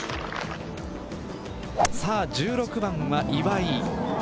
１６番は岩井。